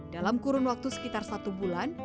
dalam kurun waktu sekitar satu bulan